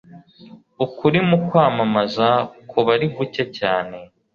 Ukuri mukwamamaza kuba ari guke cyane